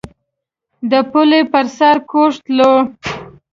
د پولې پر سر کوږ تلو.